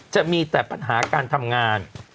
จะมีแต่ปัญหาการทำงาน